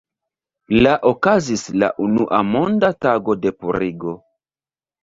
La okazis la unua Monda Tago de Purigo.